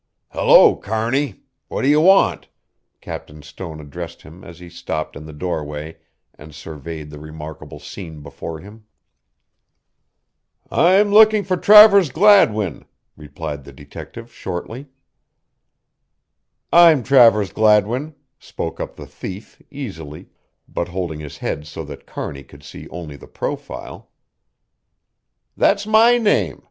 "Hello, Kearney! What do you want?" Captain Stone addressed him as he stopped in the doorway and surveyed the remarkable scene before him. "I'm looking for Travers Gladwin," replied the detective shortly. "I'm Travers Gladwin," spoke up the thief, easily, but holding his head so that Kearney could see only the profile. "That's my name!"